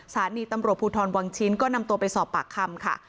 สถานีตำรวจภูทรวังชิ้นก็นำตัวไปสอบปากคำค่ะ